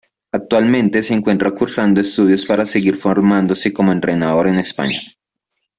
Actualmente se encuentra cursando estudios para seguir formándose como entrenador en España.